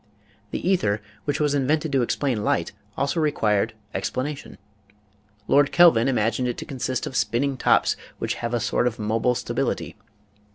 The ether, which was invented to explain light, also required " ex planation." Lord Kelvin imagined it to consist of spin ning tops which have a sort of mobile stability.